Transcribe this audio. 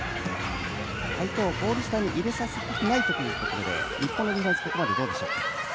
ゴール下に入れさせたくないところで日本のディフェンスここまでどうでしょうか。